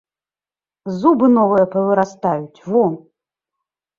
Зубы новыя павырастаюць, во!